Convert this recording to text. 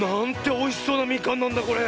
おいしそうなみかんなんだこれ！